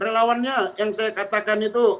relawannya yang saya katakan itu